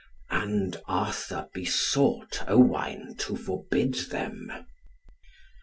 And Arthur besought Owain to forbid them.